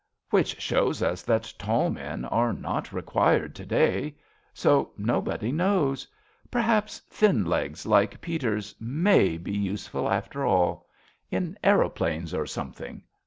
Which shows us that tall men are not required To day. So nobody knows. Perhaps thin legs Like Peter's Tnay be useful, after all, 47 RADA In aeroplanes, or something.